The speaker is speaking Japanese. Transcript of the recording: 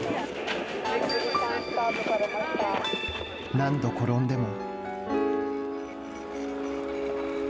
何度転んでも。